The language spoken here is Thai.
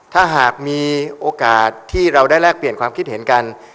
ถ้าหากมีโอกาสที่เราได้แลกเปลี่ยนความคิดเห็นกัน